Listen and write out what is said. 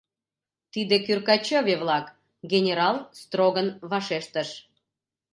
— Тиде кӱрка чыве-влак, — генерал строгын вашештыш.